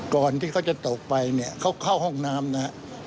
ก่อนที่เขาจะตกไปเนี่ยเขาเข้าห้องน้ำนะฮะ